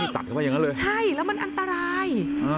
ใช่แล้วมันอันตราย